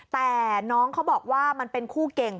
แต่น้องเขาบอกว่ามันเป็นคู่เก่ง